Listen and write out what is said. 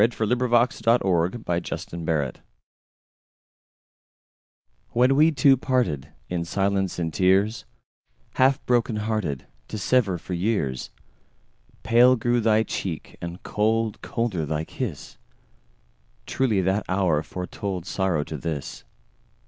When We Two Parted WHEN we two partedIn silence and tears, Half broken hearted, To sever for years, Pale grew thy cheek and cold, Colder thy kiss; Truly that hour foretoldSorrow to this!